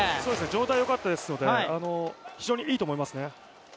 状態がよかったですので非常にいいと思いますね。